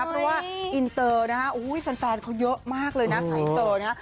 เพราะว่าอินเตอร์นะฮะแฟนเขาเยอะมากเลยนะสายอินเตอร์นะฮะ